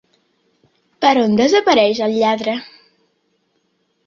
Per on desapareix el lladre?